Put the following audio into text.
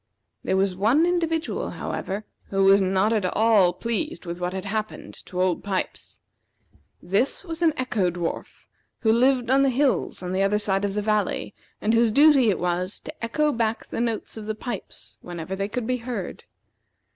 There was one individual, however, who was not at all pleased with what had happened to Old Pipes. This was an Echo dwarf, who lived on the hills on the other side of the valley, and whose duty it was to echo back the notes of the pipes whenever they could be heard.